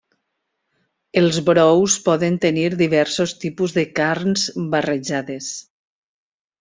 Els brous poden tenir diversos tipus de carns barrejades.